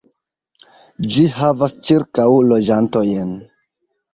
Ĝi havas ĉirkaŭ loĝantojn.